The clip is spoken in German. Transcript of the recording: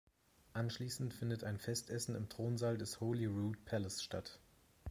Anschließend findet ein Festessen im Thronsaal des Holyrood Palace statt.